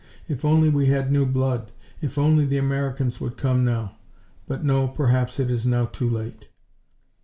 If only we had new blood. If only the Americans would come now. But no, perhaps it is now too late."